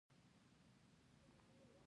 زردالو په بامیان او غزني کې ډیر کیږي